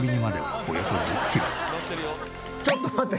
ちょっと待って。